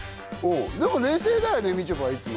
冷静だよねみちょぱはいつも。